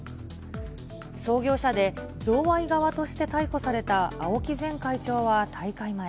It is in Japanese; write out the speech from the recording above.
創業者で贈賄側として逮捕された青木前会長は大会前。